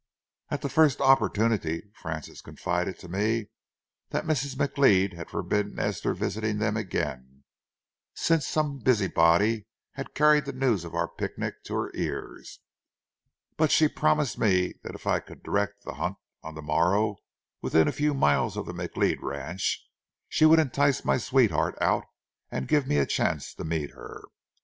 At the first opportunity, Frances confided to me that Mrs. McLeod had forbidden Esther visiting them again, since some busybody had carried the news of our picnic to her ears. But she promised me that if I could direct the hunt on the morrow within a few miles of the McLeod ranch, she would entice my sweetheart out and give me a chance to meet her.